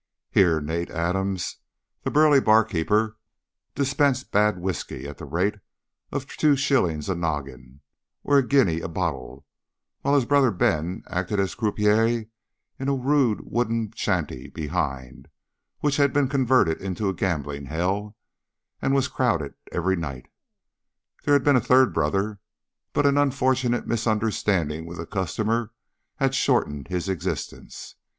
Here Nat Adams, the burly bar keeper, dispensed bad whisky at the rate of two shillings a noggin, or a guinea a bottle, while his brother Ben acted as croupier in a rude wooden shanty behind, which had been converted into a gambling hell, and was crowded every night. There had been a third brother, but an unfortunate misunderstanding with a customer had shortened his existence.